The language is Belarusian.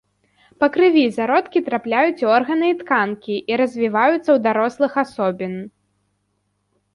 Па крыві зародкі трапляюць у органы і тканкі і развіваюцца ў дарослых асобін.